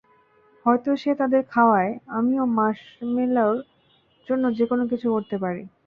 হয়তো সে তাদের খাওয়ায়, আমিও মার্শমেলোর জন্য যেকোন কিছু করতে পারি।